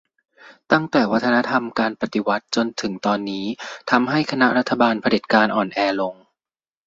ตั้งแต่วัฒนธรรมการปฎิวัติจนถึงตอนนี้ทำให้คณะรัฐบาลเผด็จการอ่อนแอลง